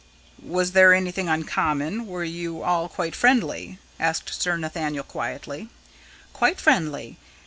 "Was there anything uncommon were you all quite friendly?" asked Sir Nathaniel quietly. "Quite friendly.